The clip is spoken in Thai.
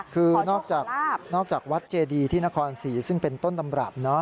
คือนอกจากวัดเจดีที่นครศรีซึ่งเป็นต้นตำรับ